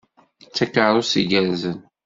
D takeṛṛust igerrzen!